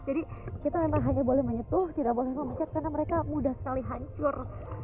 jadi kita memang hanya boleh menyetuh tidak boleh memecat karena mereka mudah sekali hancur